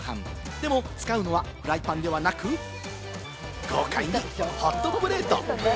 でも使うのはフライパンではなく、豪快にホットプレート。